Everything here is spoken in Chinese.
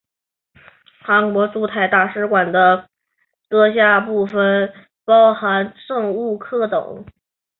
韩国驻泰大使馆的辖下部门包含政务课等。